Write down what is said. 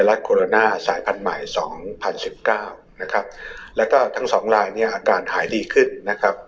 วิรัติโคโรนาสายภัณฑ์ใหม่๒๐๑๙นะครับแล้วก็ทั้งสองลายเนี่ยการหายดีขึ้นนะครับ